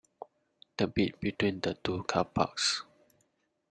The bit between the two car parks?